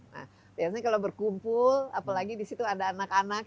nah biasanya kalau berkumpul apalagi di situ ada anak anak